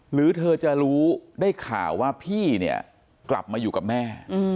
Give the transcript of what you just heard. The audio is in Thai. หรือเธอจะรู้ได้ข่าวว่าพี่เนี่ยกลับมาอยู่กับแม่